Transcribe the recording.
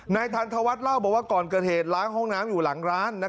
ทันทวัฒน์เล่าบอกว่าก่อนเกิดเหตุล้างห้องน้ำอยู่หลังร้าน